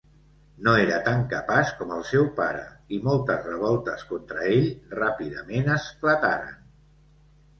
No era tan capaç com el seu pare i moltes revoltes contra ell ràpidament esclataren.